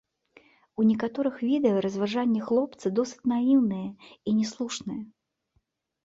У некаторых відэа разважанні хлопца досыць наіўныя і не слушныя.